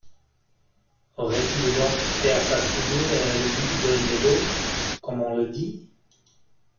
Aurait-il donc fait assassiner le duc d’Olmédo, comme on le dit.